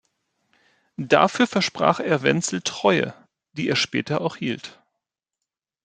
Dafür versprach er Wenzel Treue, die er später auch hielt.